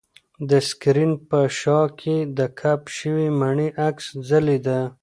د سکرین په شاه کې د کپ شوې مڼې عکس ځلېده.